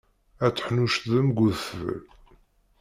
Ad teḥnuccḍem deg udfel.